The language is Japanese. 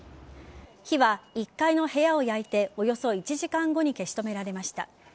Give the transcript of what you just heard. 火は１階の部屋を焼いておよそ１時間後に消し止められました。